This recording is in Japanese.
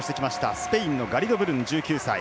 スペインのガリドブルン、１９歳。